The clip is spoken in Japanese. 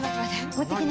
持っていきな。